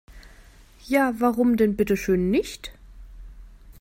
Ja, warum denn bitte schön nicht?